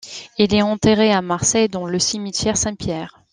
Il est enterré à Marseille dans le cimetière Saint-Pierre.